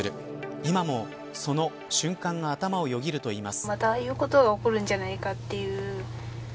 今も、その瞬間が頭をよぎるといいます。